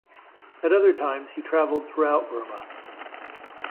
At other times he traveled throughout Burma.